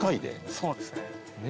そうですね